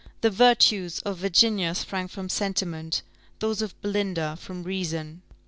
The virtues of Virginia sprang from sentiment; those of Belinda from reason.